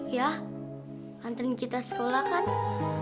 ya nganterin kita sekolah kan